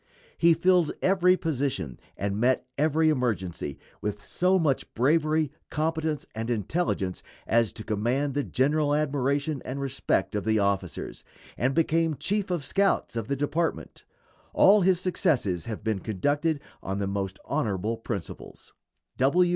He filled every position and met every emergency with so much bravery, competence, and intelligence as to command the general admiration and respect of the officers, and became chief of scouts of the department. All his successes have been conducted on the most honorable principles.